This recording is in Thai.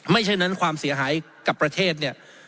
ฉะนั้นความเสียหายกับประเทศเนี่ย